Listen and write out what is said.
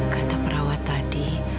kata perawat tadi